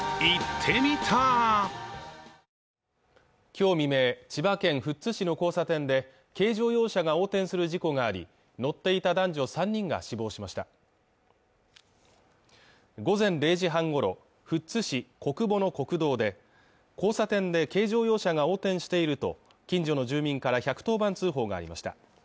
今日未明千葉県富津市の交差点で軽乗用車が横転する事故があり乗っていた男女３人が死亡しました午前０時半ごろ富津市小久保の国道で交差点で軽乗用車が横転していると近所の住民から１１０番通報がありました